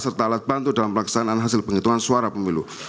serta alat bantu dalam pelaksanaan hasil penghitungan suara pemilu